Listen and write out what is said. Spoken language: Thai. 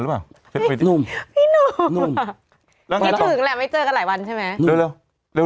แม่เจอกันหลายวันใช่มั้ย